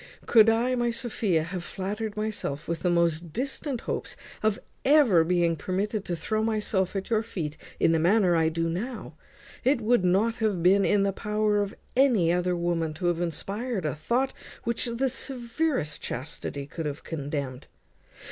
Could I, my Sophia, have flattered myself with the most distant hopes of being ever permitted to throw myself at your feet in the manner I do now, it would not have been in the power of any other woman to have inspired a thought which the severest chastity could have condemned.